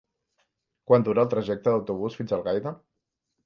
Quant dura el trajecte en autobús fins a Algaida?